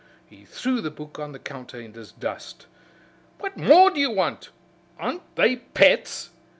He threw the book on the counter in disgust. "What more do you want? Aren't they pets?